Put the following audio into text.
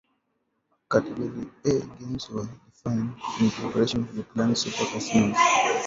Category A games were defined in preparation for the planned Super Casinos.